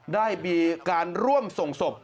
ได้มีการร่วมส่งศพ